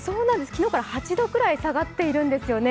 昨日から８度くらい下がっているんですよね。